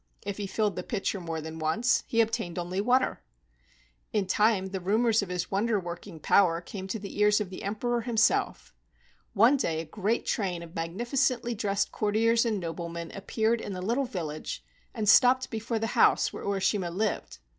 If he filled the pitcher more than once, he obtained only water. In time the rumors of his wonder¬ working power came to the ears of the Emperor himself. One day a great train of magnificently dressed courtiers and noblemen appeared in the little village and stopped before the house where Urishima lived.